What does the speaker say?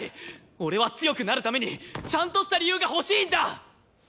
俺は強くなるためにちゃんとした理由が欲しいんだ！